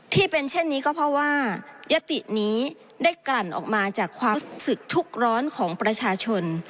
ที่เป็นเช่นนี้ก็เพราะว่ายตินี้ได้กลั่นออกมาจากความศึกทุกร้อนของประชาชน